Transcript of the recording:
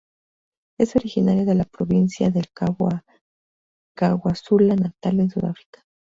Es originaria de la Provincia del Cabo a KwaZulu-Natal en Sudáfrica.